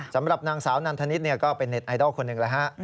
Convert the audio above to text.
สำหรับนางสาวนานธนิดเนี่ยก็เป็นเน็ตไอดอลคนหนึ่งนะฮะ